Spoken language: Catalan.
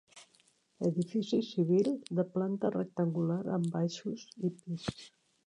Edifici civil de planta rectangular amb baixos i pis.